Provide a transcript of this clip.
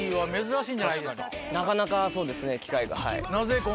なかなかそうですね機会が。